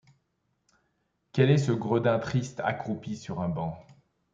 Quel est ce gredin triste accroupi sur un banc ?